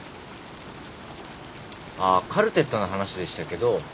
あっ『カルテット』の話でしたけど。